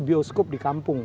bioskop di kampung